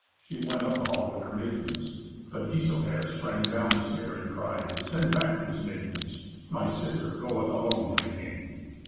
She went up the hall with her maidens, but Giselher sprang down the stair and cried, "Send back these maidens. My sister goeth alone to the king."